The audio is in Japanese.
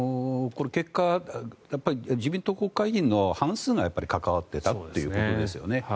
これ、結果自民党国会議員の半数が関わっていたということですよね。